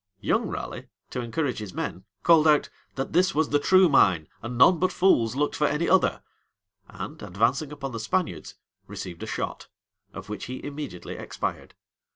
Young Raleigh, to encourage his men, called out, "That this was the true mine, and none but fools looked for any other;" and, advancing upon the Spaniards, received a shot, of which he immediately expired.